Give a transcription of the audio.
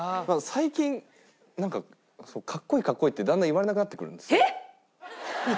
最近なんか格好いい格好いいってだんだん言われなくなってくるんですよ。